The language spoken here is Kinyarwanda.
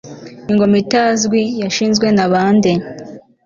Ingoma itazwi yashinzwe nabande